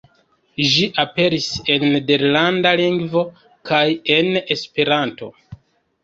Ĝi aperis en nederlanda lingvo kaj en Esperanto.